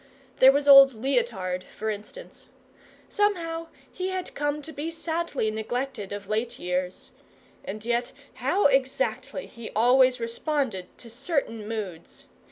There was old Leotard, for instance. Somehow he had come to be sadly neglected of late years and yet how exactly he always responded to certain moods!